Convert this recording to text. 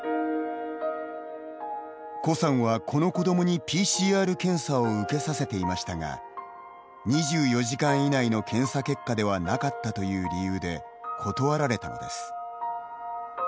コさんは、この子どもにＰＣＲ検査を受けさせていましたが２４時間以内の検査結果ではなかったという理由で断られたのです。